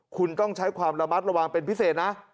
คุณต้องใช้ความระมัดระวังเป็นพิเศษนะ